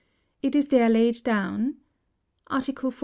It is there laid down :— Article 14.